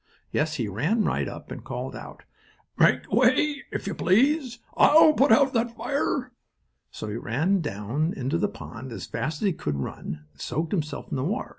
Yes, he ran right up and called out: "Make way, if you please. I will put out that fire!" So he ran down into the pond as fast as he could run and soaked himself in the water.